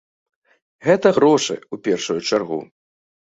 Гэта грошы, у першую чаргу.